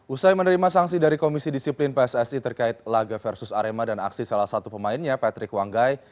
usai menerima sanksi dari komisi disiplin pssi terkait laga versus arema dan aksi salah satu pemainnya patrick wanggai